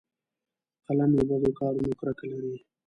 قلم له بدو کارونو کرکه لري